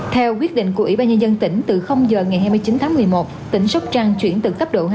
theo quyết định của ủy ban nhân dân tỉnh từ giờ ngày hai mươi chín tháng một mươi một tỉnh sóc trăng chuyển từ cấp độ hai